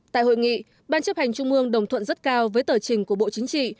tại hội nghị ban chấp hành trung mương đồng thuận rất cao với tờ trình của bộ chính trị